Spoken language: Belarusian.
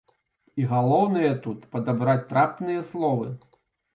І галоўнае тут падабраць трапныя словы.